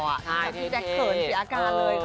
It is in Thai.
แต่พี่แจ๊คเขินเสียอาการเลย